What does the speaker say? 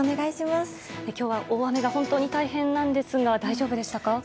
今日は大雨が本当に大変なんですが大丈夫でしたか？